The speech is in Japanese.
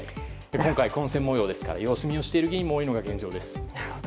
今回、混戦模様ですから様子見をしている議員が多いのが現状です。